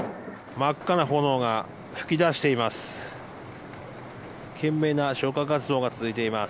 真っ赤な炎が噴き出しています。